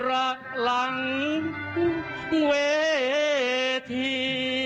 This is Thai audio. รักหลังเวที